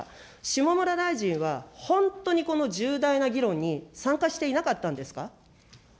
下村大臣は、本当にこの重大な議論に参加していなかったんですか。